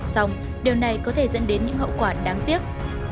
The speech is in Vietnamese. xong điều này có thể dẫn đến những hậu quả đáng tiếc